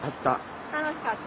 楽しかった。